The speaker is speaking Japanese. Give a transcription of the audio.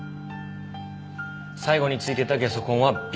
最後についていたゲソ痕はＢ。